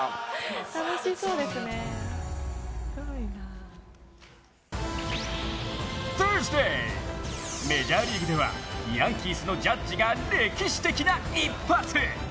サーズデー、メジャーリーグではヤンキースのジャッジが歴史的な一発。